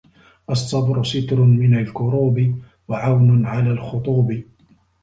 الصَّبْرُ سِتْرٌ مِنْ الْكُرُوبِ وَعَوْنٌ عَلَى الْخُطُوبِ